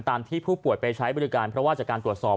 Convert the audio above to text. ที่ผู้ป่วยไปใช้บริการเพราะว่าจากการตรวจสอบ